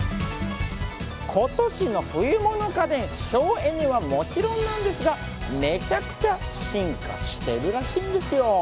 ことしの冬物家電、省エネはもちろんなんですが、めちゃくちゃ進化してるらしいんですよ。